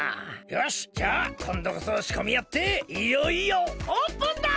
よしじゃあこんどこそしこみやっていよいよオープンだ！